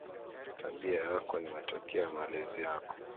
Tabia yako ni matokeo ya malezi yako